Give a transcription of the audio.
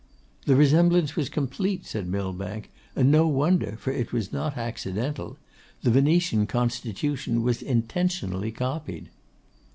'The resemblance was complete,' said Millbank, 'and no wonder, for it was not accidental; the Venetian Constitution was intentionally copied.